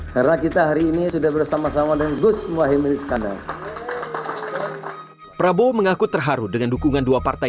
karena kita hari ini sudah bersama sama dengan gus muhyiddin iskandar